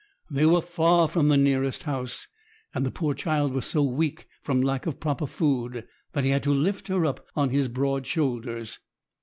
They were far from the nearest house, and the poor child was so weak from lack of proper food that he had to lift her up on his broad shoulders.